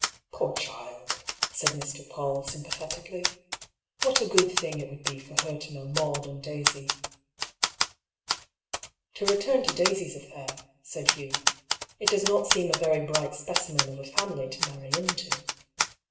*'" Poor child !" said Mr. Paull, sympathetically. *^ What a good thing it would be for her to know Maud and Daisy." " To return to Daisy's affair," said Hugh. " It does, not seem a very bright specimen of a family to marry into."